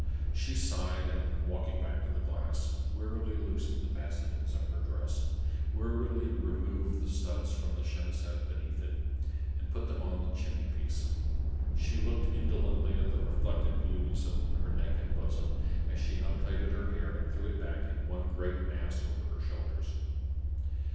She sighed, and, walking back to the glass, wearily loosened the fastenings of her dress; wearily removed the studs from the chemisette beneath it, and put them on the chimney piece. She looked indolently at the reflected beauties of her neck and bosom, as she unplaited her hair and threw it back in one great mass over her shoulders.